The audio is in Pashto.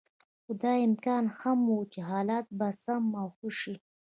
خو دا امکان هم و چې حالات به سم او ښه شي.